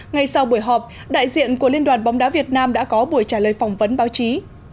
ngay sau buổi họp đại diện của liên đoàn bóng đá việt nam đã có buổi trả lời phỏng vấn báo chí